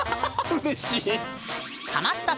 うれしい！